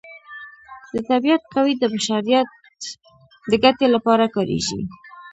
د طبیعت قوې د بشریت د ګټې لپاره کاریږي.